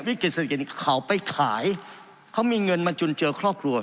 เศรษฐกิจเขาไปขายเขามีเงินมาจุนเจอครอบครัว